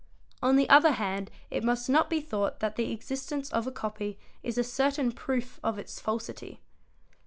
On the other hand it must not be thought that the existence of a copy 1s a certain proof of its falsity.